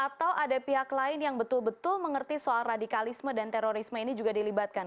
atau ada pihak lain yang betul betul mengerti soal radikalisme dan terorisme ini juga dilibatkan